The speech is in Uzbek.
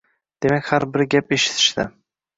Demak, har biri gap eshitishdi.